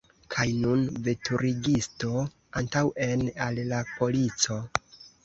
Kaj nun, veturigisto, antaŭen, al la polico!